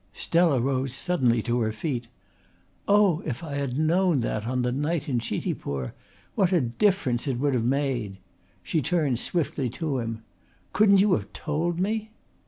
Stella rose suddenly to her feet. "Oh, if I had known that on the night in Chitipur! What a difference it would have made!" She turned swiftly to him. "Couldn't you have told me?"